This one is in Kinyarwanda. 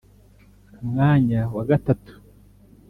Ku mwanya wa gatatu